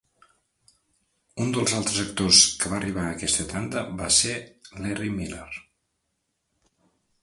Un dels altres actors que va arribar a aquesta tanda va ser Larry Miller.